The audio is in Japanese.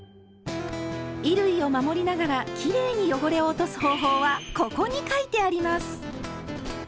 衣類を守りながらきれいに汚れを落とす方法は「ここ」に書いてあります！